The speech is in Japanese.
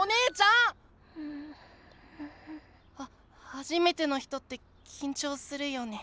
はじめての人ってきんちょうするよね。